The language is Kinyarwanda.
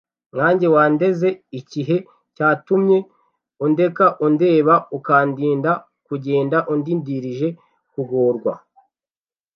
Nkanjye wandeze ikihe Cyatumye undeka undeba Ukandinda kugenda Undindirije kugorwa?!